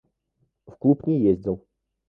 В клуб не ездил.